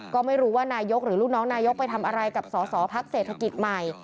ก็ไม่รู้ว่านายกหรือลูกน้องนายกไปทำอะไรกับสอสอพักเศรษฐกิจใหม่